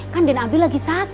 yang bener kak